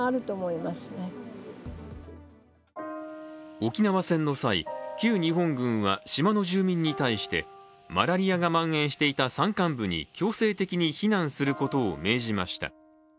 沖縄戦の際、旧日本軍は島の住民に対してマラリアがまん延していた山間部に強制的に避難することを命じました。